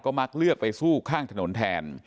มักเลือกไปสู้ข้างถนนแทน